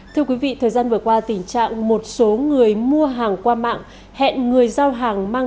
thời gian vừa qua tình trạng một số người mua hàng qua mạng hẹn người giao hàng